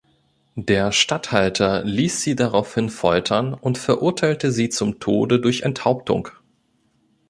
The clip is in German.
Der Statthalter ließ sie daraufhin foltern und verurteilte sie zum Tode durch Enthauptung.